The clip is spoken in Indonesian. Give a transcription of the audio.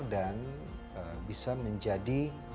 dan bisa menjadi